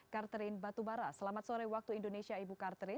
karterin batubara selamat sore waktu indonesia ibu karterin